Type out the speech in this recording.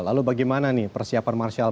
lalu bagaimana nih persiapan marshal